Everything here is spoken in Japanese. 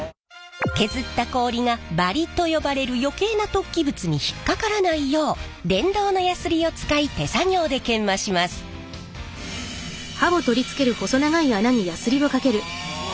削った氷がバリと呼ばれる余計な突起物に引っ掛からないよう電動のやすりを使い手作業で研磨します。わ！